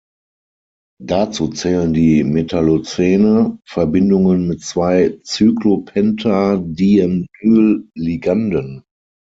Dazu zählen die Metallocene, Verbindungen mit zwei Cyclopentadienyl-Liganden.